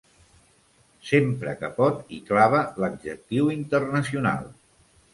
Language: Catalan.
Sempre que pot hi clava l'adjectiu internacional.